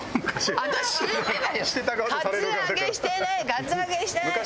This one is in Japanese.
カツアゲしてない！